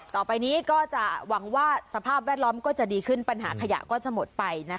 ต่อไปนี้ก็จะหวังว่าสภาพแวดล้อมก็จะดีขึ้นปัญหาขยะก็จะหมดไป